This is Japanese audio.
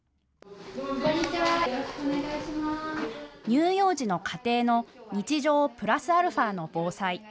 乳幼児の家庭の日常プラスアルファの防災。